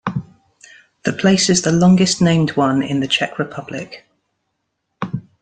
The place is the longest-named one in the Czech Republic.